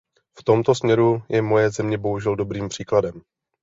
V tomto směru je moje země bohužel dobrým příkladem.